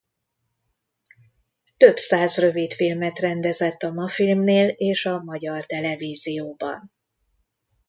Több száz rövidfilmet rendezett a Mafilmnél és a Magyar Televízióban.